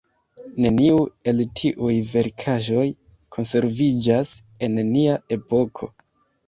Neniu el tiuj verkaĵoj konserviĝas en nia epoko.